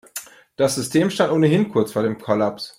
Das System stand ohnehin kurz vor dem Kollaps.